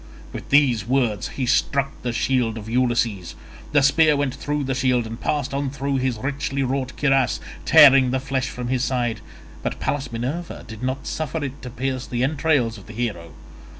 With these words he struck the shield of Ulysses. The spear went through the shield and passed on through his richly wrought cuirass, tearing the flesh from his side, but Pallas Minerva did not suffer it to pierce the entrails of the hero.